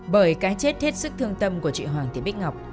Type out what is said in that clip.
bởi cái chết hết sức thương tâm của chị hoàng thị bích ngọc